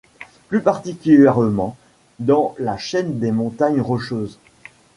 Plus particulièrement dans la chaîne des montagnes Rocheuses.